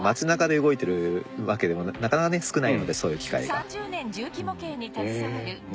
３０年重機模型に携わる